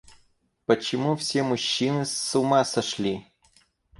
Почему все мужчины с ума сошли?